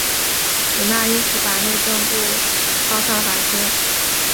祖纳因此把内政部告上法庭。